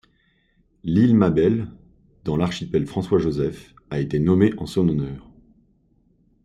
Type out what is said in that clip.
L'île Mabel dans l'archipel François-Joseph a été nommée en son honneur.